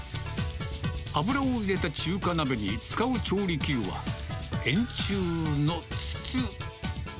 油を入れた中華鍋に使う調理器具は、円柱の筒。